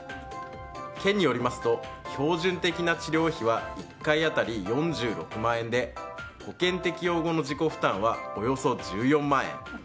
県によりますと標準的な治療費は１回当たり４６万円で保険適用後の自己負担はおよそ１４万円。